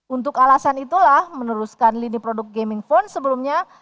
untuk alasan itulah meneruskan lini produk gaming phone sebelumnya